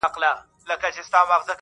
اوس به چيري د زلميو څڼي غورځي.!